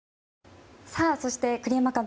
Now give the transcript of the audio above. そして、栗山監督。